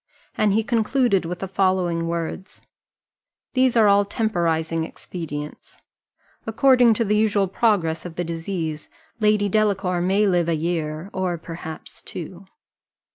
And he concluded with the following words: "These are all temporizing expedients: according to the usual progress of the disease, Lady Delacour may live a year, or perhaps two.